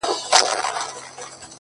• زما ځوانمرگ وماته وايي ـ